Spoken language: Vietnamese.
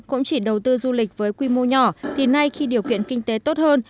cũng chỉ đầu tư du lịch với quy mô nhỏ thì nay khi điều kiện kinh tế tốt hơn